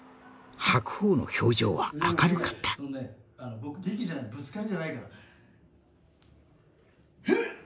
白鵬の表情は明るかったふっ